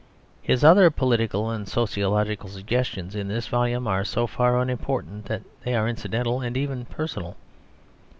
His other political and sociological suggestions in this volume are so far unimportant that they are incidental, and even personal.